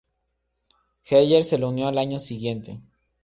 Heyer se le unió al año siguiente.